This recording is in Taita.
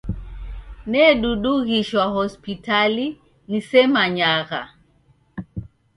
Nedudughishwa hospitali nisemanyagha.